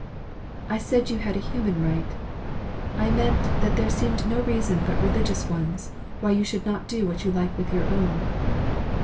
"I said you had a human right. I meant that there seemed no reason but religious ones, why you should not do what you like with your own."